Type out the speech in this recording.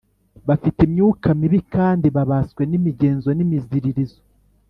Bafite imyuka mibi kandi babaswe n’imigenzo n’imiziririzo